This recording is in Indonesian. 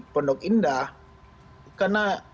pondok indah karena